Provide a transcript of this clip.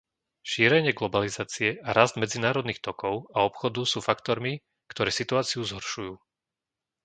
Šírenie globalizácie a rast medzinárodných tokov a obchodu sú faktormi, ktoré situáciu zhoršujú.